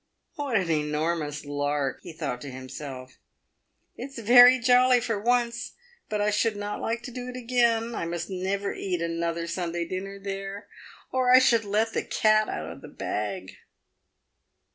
" "What an enormous lark !" he thought to himself. " It's very jolly for once, but I should not like to do it again. I must never eat another Sunday dinner there, or I should let the cat out of the bag."